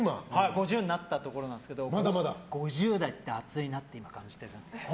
５０になったところなんですけど５０代って熱いなって今、感じてるので。